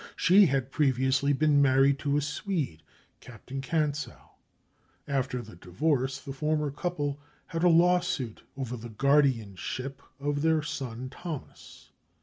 She had previously been married to a Swede, Captain Kantzow. After the divorce the former couple had a lawsuit over the guardianship of their son Thomas.